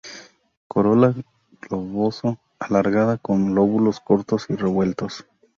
Corola globoso-alargada, con lóbulos cortos y revueltos.